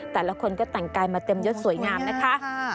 แต่ละคนก็แต่งกายมาเต็มยดสวยงามนะคะ